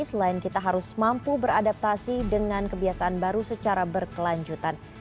selain kita harus mampu beradaptasi dengan kebiasaan baru secara berkelanjutan